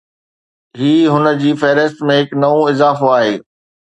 هي هن فهرست ۾ هڪ نئون اضافو آهي